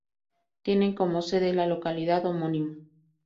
Tiene como sede la localidad homónima.